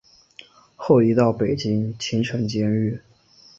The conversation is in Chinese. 后移到北京秦城监狱。